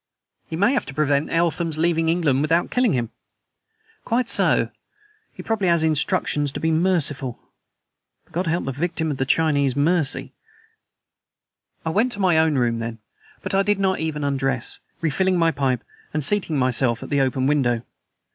"He may have to prevent Eltham's leaving England without killing him." "Quite so. He probably has instructions to be merciful. But God help the victim of Chinese mercy!" I went to my own room then. But I did not even undress, refilling my pipe and seating myself at the open window.